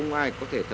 năm thứ một mươi sáu